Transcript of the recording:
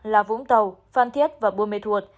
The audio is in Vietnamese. là vũng tàu phan thiết và buôn mê thuật